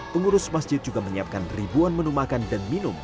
pengurus masjid juga menyiapkan ribuan menu makan dan minum